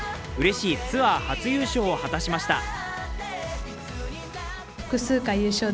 うれしいツアー初優勝を飾りました。